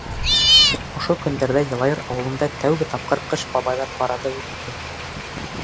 Ошо көндәрҙә Йылайыр ауылында тәүге тапҡыр Ҡыш бабайҙар парады үтте.